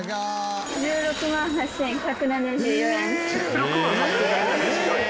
１６万８１７４円！？